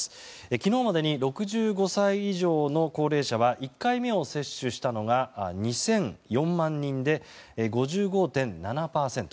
昨日までに６５歳以上の高齢者は１回目を接種したのが２００４万人で５５．７％。